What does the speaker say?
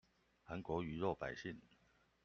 韓國魚肉百姓